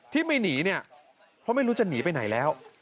ที่ไม่หนีเนี่ยเพราะไม่รู้จะหนีไปไหนแล้ว